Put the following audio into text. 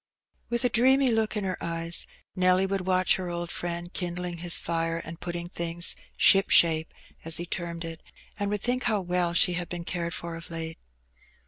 With a dreamy look in her eyes, Nelty would watch her old friend kindling his fire and putting things ^^ ship shape/* as he termed it, and would think how well she had been cared for of late.